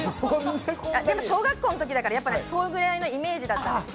でも小学校のときだから、やっぱり、それぐらいのイメージだったんですよ。